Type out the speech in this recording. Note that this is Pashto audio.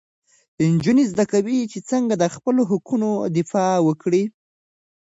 نجونې زده کوي چې څنګه د خپلو حقونو دفاع وکړي.